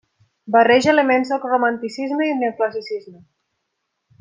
Barreja elements del romanticisme i del neoclassicisme.